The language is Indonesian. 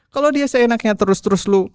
kalau dia seenaknya terus terus lu